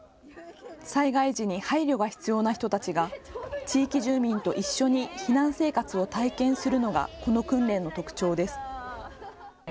災害時に配慮が必要な人たちが地域住民と一緒に避難生活を体験するのがこの訓練の特徴です。